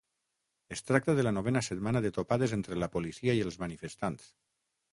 Es tracta de la novena setmana de topades entre la policia i els manifestants.